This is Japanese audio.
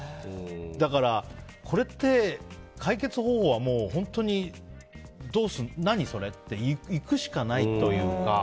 だから、これって解決方法は本当に、何それって行くしかないというか。